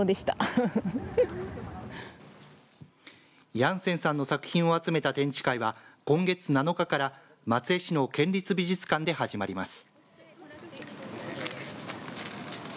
ヤンセンさんの作品を集めた展示会は今月７日から松江市の県立美術館で始まります。